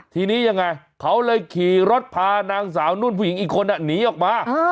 ทีนี้ยังไงเขาเลยขี่รถพานางสาวนุ่นผู้หญิงอีกคนหนีออกมา